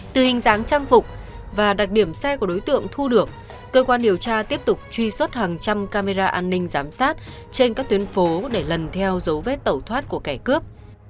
từ hình dáng trang phục và đặc điểm xe của đối tượng thu được cơ quan điều tra tiếp tục truy xuất hàng trăm camera an ninh giám sát trên các tuyến phố để lần theo dấu vết tẩu thoát của kẻ cướp